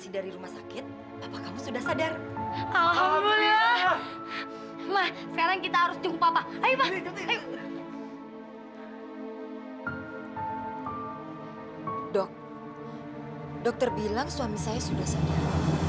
dokter bilang suami saya sudah sadar